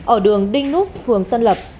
ở đường đinh nút phường tân lập